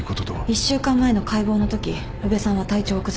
１週間前の解剖のとき宇部さんは体調を崩しました。